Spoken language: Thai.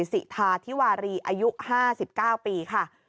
สิทาธิวารีอายุ๕๙ปีค่ะ